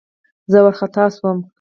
زه وارخطا شوم.